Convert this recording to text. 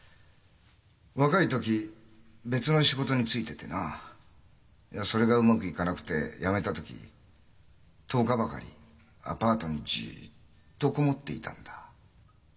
若い時別の仕事に就いててなそれがうまくいかなくて辞めた時１０日ばかりアパートにじっと籠もっていたんだ。